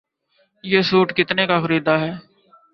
یہ سوٹ کتنے کا خریدا ہے؟